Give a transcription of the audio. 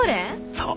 そう。